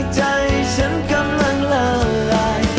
ใจฉันกำลังละลาย